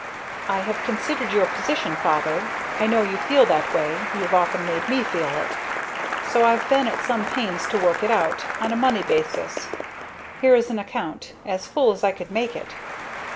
"I have considered that position, Father. I know you feel that way you've often made me feel it. So I've been at some pains to work it out on a money basis. Here is an account as full as I could make it."